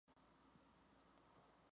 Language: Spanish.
Concejalía de turismo.